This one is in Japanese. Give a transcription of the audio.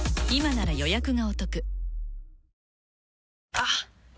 あっ！